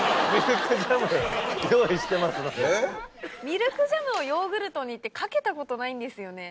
ミルクジャムをヨーグルトにってかけたことないんですよね。